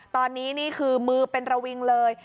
ตอนนี้นี่คือมือเป็นระวิงเลย